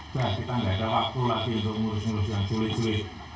sudah kita nggak ada waktu lagi untuk ngurus ngurus yang sulit sulit